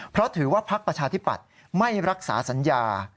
เพราะถือว่าพักประชาธิปัตย์ไม่รักษาสัญญา